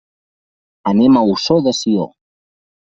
Anem a Ossó de Sió.